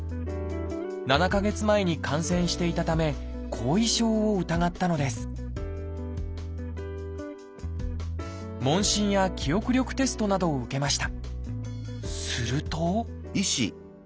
７か月前に感染していたため後遺症を疑ったのです問診や記憶力テストなどを受けました。